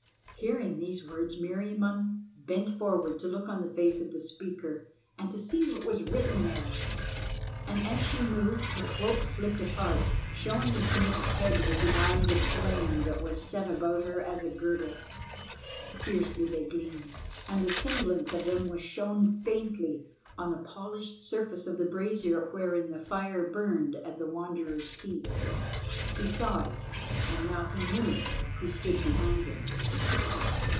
Hearing these words Meriamun bent forward to look on the face of the speaker and to see what was written there; and as she moved, her cloak slipped apart, showing the Snake's head with the eyes of flame that was set about her as a girdle. Fiercely they gleamed, and the semblance of them was shown faintly on the polished surface of the brazier wherein the fire burned at the Wanderer's feet. He saw it, and now he knew who stood behind him.